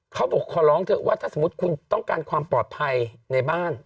เขาบอกขอร้องเถอะว่าถ้าสมมุติคุณต้องการความปลอดภัยในบ้าน